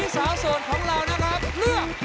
จากแนะนำเยี่ยม